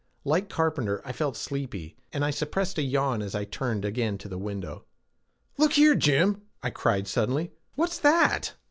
Like Carpenter, I felt sleepy, and I suppressed a yawn as I turned again to the window. "Look here, Jim!" I cried suddenly. "What's that?"